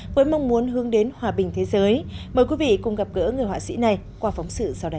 với mong muốn hướng đến hòa bình thế giới mời quý vị cùng gặp gỡ người họa sĩ này qua phóng sự sau đây